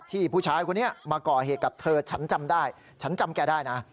ผู้ชายคนนี้มาก่อเหตุกับเธอฉันจำได้ฉันจำแกได้นะ